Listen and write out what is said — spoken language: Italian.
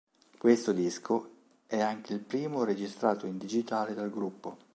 Questo disco è anche il primo registrato in digitale dal gruppo.